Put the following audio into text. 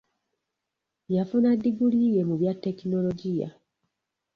Yafuna diguli ye mu bya tekinologiya.